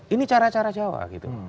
ini cara cara jawa gitu